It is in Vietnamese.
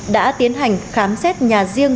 đã tiến hành khám xét nhà riêng